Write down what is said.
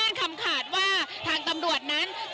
มีการขนเอากำลังตำรวจนะคะเข้ามาในพื้นที่ค่ะ